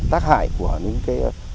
tác hại của những cái